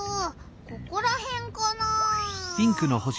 ここらへんかな。